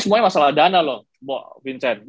semuanya masalah dana loh mbak vincent